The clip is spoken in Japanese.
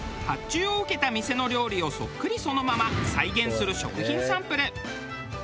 発注を受けた店の料理をそっくりそのまま再現する食品サンプル。